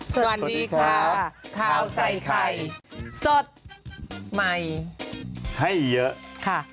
สวัสดีค่ะข้าวใส่ไข่สดใหม่ให้เยอะค่ะ